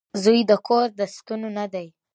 • زوی د کور د ستنو نه دی.